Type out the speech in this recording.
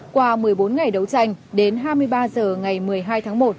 qua một mươi bốn ngày đấu tranh đến hai mươi ba h ngày một mươi hai tháng một